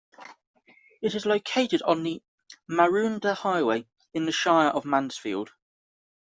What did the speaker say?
It is located on the Maroondah Highway, in the Shire of Mansfield.